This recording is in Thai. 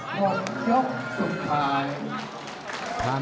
หมดยกสุดท้าย